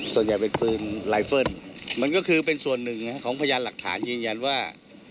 ส่วนใหญ่เป็นปืนไลเฟิลมันก็คือเป็นส่วนหนึ่งของพยานหลักฐานยืนยันว่า